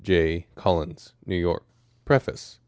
J. Collins, Tvew York. PREFACE.